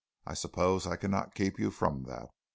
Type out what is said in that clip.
"I suppose I cannot keep you from that.